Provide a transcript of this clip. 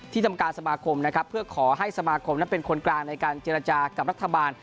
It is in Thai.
ที่ทำการสมาคมเพื่อขอให้สมาคมเป็นคนกลางในการเจรจากับรัฐบาล